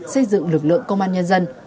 xây dựng lực lượng công an nhân dân